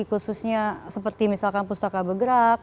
khususnya seperti misalkan pustaka bergerak